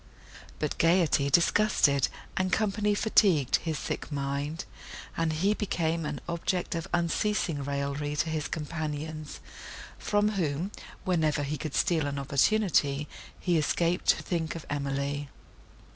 But gaiety disgusted, and company fatigued, his sick mind; and he became an object of unceasing raillery to his companions, from whom, whenever he could steal an opportunity, he escaped, to think of Emily.